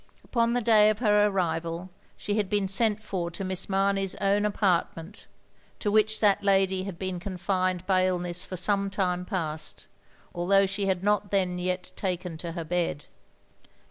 Upon the day of her arrival she had been sent for to Miss Mamey's own apartment — to which that lady had been confined by illness for some time past, although she had not then yet taken to her bed.